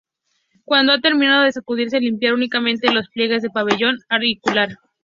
Cuando ha terminado de sacudirse limpiar únicamente los pliegues del pabellón auricular.